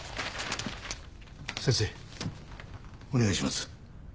先生お願いします。